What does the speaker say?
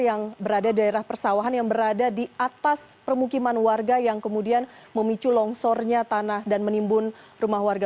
yang berada di daerah persawahan yang berada di atas permukiman warga yang kemudian memicu longsornya tanah dan menimbun rumah warga